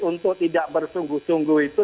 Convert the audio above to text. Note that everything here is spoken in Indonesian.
untuk tidak bersungguh sungguh itu